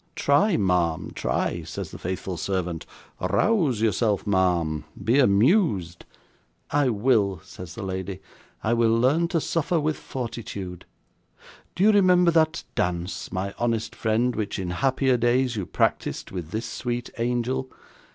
"Try, ma'am, try," says the faithful servant; "rouse yourself, ma'am; be amused." "I will," says the lady, "I will learn to suffer with fortitude. Do you remember that dance, my honest friend, which, in happier days, you practised with this sweet angel?